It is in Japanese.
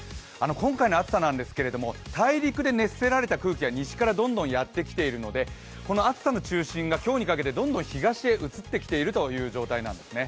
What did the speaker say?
今回の暑さなんですけれども、大陸で熱せられた空気が西からどんどんやってきているので、この暑さの中心が今日にかけてどんどん東へ移ってきているということなんですね。